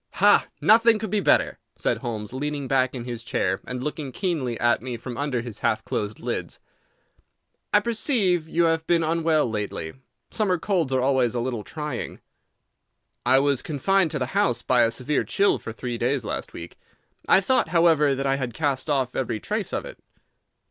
"Ha! Nothing could be better," said Holmes, leaning back in his chair and looking keenly at me from under his half closed lids. "I perceive that you have been unwell lately. Summer colds are always a little trying." "I was confined to the house by a severe chill for three days last week. I thought, however, that I had cast off every trace of it."